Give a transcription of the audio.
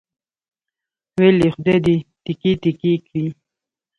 ویل یې خدای دې تیکې تیکې کړي.